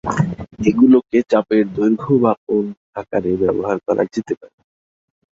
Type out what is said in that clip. এগুলোকে চাপের দৈর্ঘ্য বা কোণ আকারে ব্যবহার করা যেতে পারে।